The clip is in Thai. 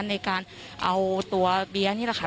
ในการเอาตัวเบียร์นี่แหละค่ะ